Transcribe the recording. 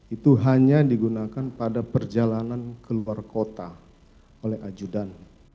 itu hanya digunakan pada perjalanan keluar kota oleh ajudan